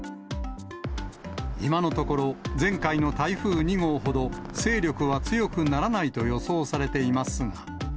今のところ、前回の台風２号ほど勢力は強くならないと予想されていますが。